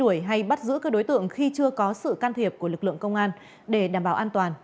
đuổi hay bắt giữ các đối tượng khi chưa có sự can thiệp của lực lượng công an để đảm bảo an toàn